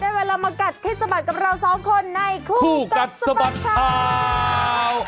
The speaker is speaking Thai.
เวลามากัดให้สะบัดกับเราสองคนในคู่กัดสะบัดข่าว